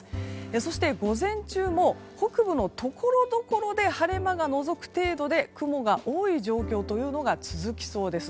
そして、午前中も北部のところどころで晴れ間がのぞく程度で雲が多い状況が続きそうです。